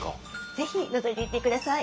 是非のぞいていってください。